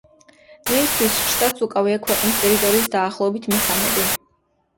დღეისათვის შტატს უკავია ქვეყნის ტერიტორიის დაახლოებით მესამედი.